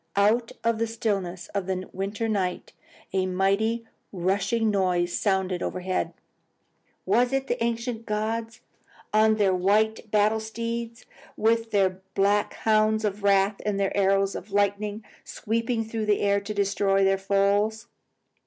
Out of the stillness of the winter night, a mighty rushing noise sounded overhead. Was it the ancient gods on their white battle steeds, with their black hounds of wrath and their arrows of lightning, sweeping through the air to destroy their foes?